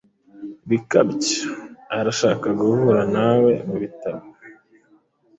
Bikabyo arashaka guhura nawe mubitabo.